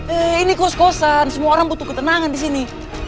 eh ini kos kosan semua orang butuh ketenangan disini